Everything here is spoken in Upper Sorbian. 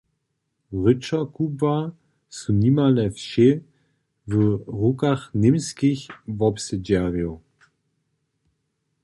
Ryćerkubła su nimale wšě w rukach němskich wobsedźerjow.